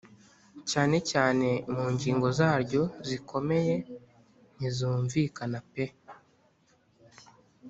cyane cyane mu ngingo zaryo zikomeye ntizumvikana pe